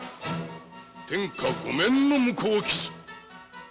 天下御免の向こう傷。